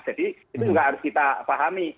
jadi itu juga harus kita pahami